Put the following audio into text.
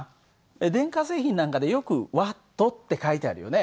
電化製品なんかでよくＷって書いてあるよね。